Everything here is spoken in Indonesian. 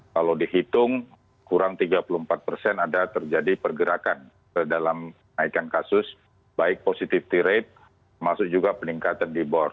kalau dihitung kurang tiga puluh empat persen ada terjadi pergerakan dalam naikan kasus baik positivity rate masuk juga peningkatan di bor